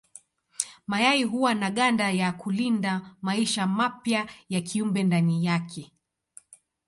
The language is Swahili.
Mayai huwa na ganda ya kulinda maisha mapya ya kiumbe ndani yake.